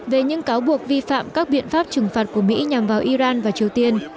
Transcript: về những cáo buộc vi phạm các biện pháp trừng phạt của mỹ nhằm vào iran và triều tiên